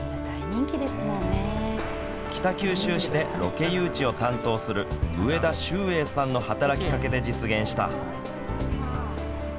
北九州市でロケ誘致を担当する上田秀栄さんの働きかけで実現した。